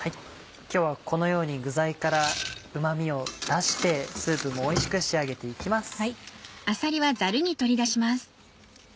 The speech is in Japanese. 今日はこのように具材からうま味を出してスープもおいしく仕上げて行きます。